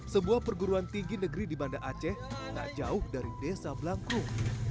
sebuah perguruan tinggi negeri di banda aceh tak jauh dari desa blangkrung